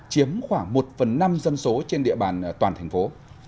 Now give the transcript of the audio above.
chiếm khoảng một phần năm dân số trên địa bàn toàn thành phố